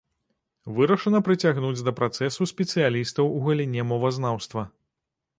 Вырашана прыцягнуць да працэсу спецыялістаў у галіне мовазнаўства.